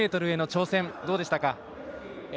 １０００ｍへの挑戦どうでしたか？